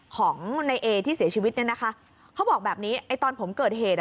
ของในเอที่เสียชีวิตเนี่ยนะคะเขาบอกแบบนี้ไอ้ตอนผมเกิดเหตุอ่ะ